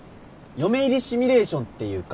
嫁入りシミュレーションっていうか。